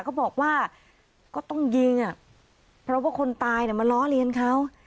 เขาบอกว่าก็ต้องยิงเนี้ยเพราะว่าคนตายเนี่ยมาล้อเรียนเขา